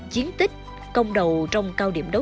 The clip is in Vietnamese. chiến tích công đầu trong cao điểm đấu